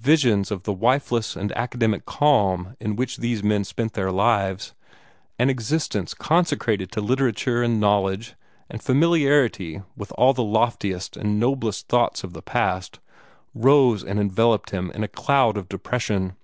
Visions of the wifeless and academic calm in which these men spent their lives an existence consecrated to literature and knowledge and familiarity with all the loftiest and noblest thoughts of the past rose and enveloped him in a cloud of depression.